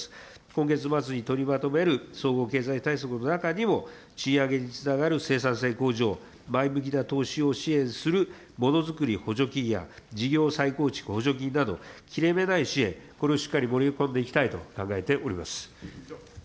今月末に取りまとめる総合経済対策の中にも、賃上げにつながる生産性向上、前向きな投資を支援するものづくり補助金や、事業再構築補助金など、切れ目ない支援、これをしっかり盛り込んでいきたいと考えております。